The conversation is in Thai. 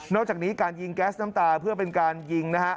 อกจากนี้การยิงแก๊สน้ำตาเพื่อเป็นการยิงนะฮะ